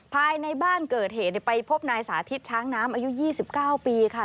ภายในบ้านเกิดเหตุไปพบนายสาธิตช้างน้ำอายุ๒๙ปีค่ะ